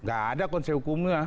gak ada konsekuensi hukumnya